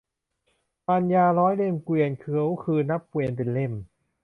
มารยาร้อยเล่มเกวียน คือเขานับเกวียนเป็นเล่ม